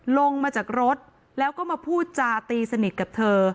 ลงมาจากรถแล้วก็มาพูดจาตีสนิทกับเธอ